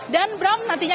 dan bram nantinya